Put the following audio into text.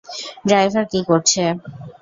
Driver কি করছে?